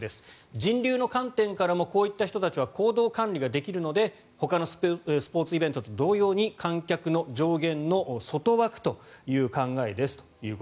人流の観点からもこういった人たちは行動管理ができるのでほかのスポーツイベントと同様に観客の上限の外枠という考えです。